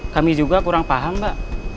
kami juga kurang paham mbak